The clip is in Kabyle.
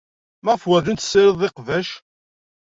Maɣef werjin tessirided iqbac?